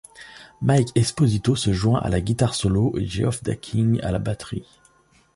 Mike Esposito se joint à la guitare solo et Geoff Daking à la batterie.